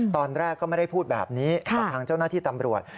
ตอนแรกก็ไม่ได้พูดแบบนี้กับทางเจ้าหน้าที่ตำรวจ